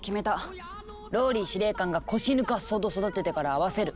ＲＯＬＬＹ司令官が腰抜かすほど育ててから会わせる。